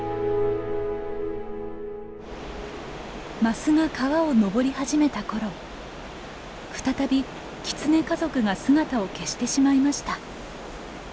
マスが川を上り始めた頃再びキツネ家族が姿を消してしまいました。